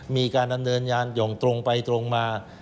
มีการดำเนินงานอย่างตรงไปตรงมา